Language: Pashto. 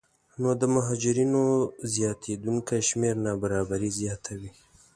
نو د مهاجرینو زیاتېدونکی شمېر نابرابري زیاتوي